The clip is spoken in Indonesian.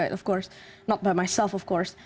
tidak dengan diri saya sendiri